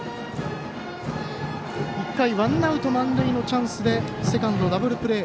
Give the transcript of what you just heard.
１回、ワンアウト満塁のチャンスでセカンドダブルプレー。